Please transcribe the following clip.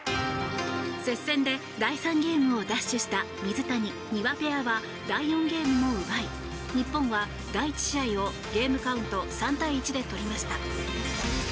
接戦で第３ゲームを奪取した水谷・丹羽ペアは第４ゲームも奪い日本は第１試合をゲームカウント３対１で取りました。